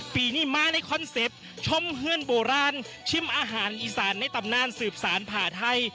ปีนี้มาในคอนเซ็ปต์ชมเพื่อนโบราณชิมอาหารอีสานในตำนานสืบสารผ่าไทย